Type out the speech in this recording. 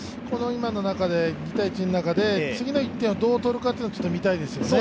今の２−１の中で、次の１点をどう取るかというのが見たいですよね。